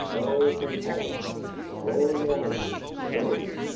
O tempora, O mores!